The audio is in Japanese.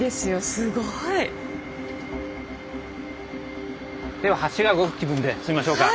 すごい！では橋が動く気分で進みましょうか。